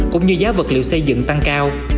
cũng như giá vật liệu xây dựng tăng cao